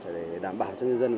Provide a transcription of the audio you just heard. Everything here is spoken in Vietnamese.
để đảm bảo cho nhân dân